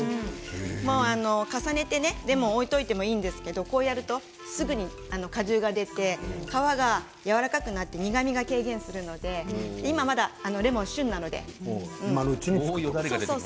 重ねてレモンを置いておいてもいいんですけどこうやるとすぐに果汁が出て皮がやわらかくなって苦味が軽減するので今のうちに作っておくと。